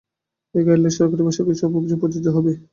এ guideline সরকারি বেসরকারি সব অফিসে প্রযোজ্য হবে।